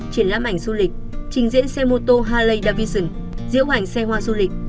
triển lãm ảnh du lịch trình diễn xe mô tô harley davidson diễu hành xe hoa du lịch